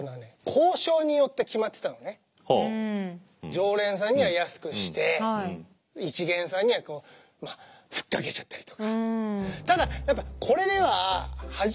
常連さんには安くして一見さんには吹っかけちゃったりとか。